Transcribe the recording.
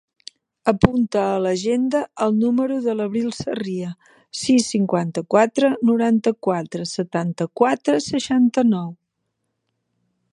Apunta a l'agenda el número de l'Abril Sarria: sis, cinquanta-quatre, noranta-quatre, setanta-quatre, seixanta-nou.